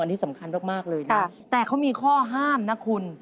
อันนี้สำคัญมากเลยนะแต่เขามีข้อห้ามนะคุณ